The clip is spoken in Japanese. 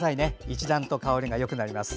一段と香りがよくなります。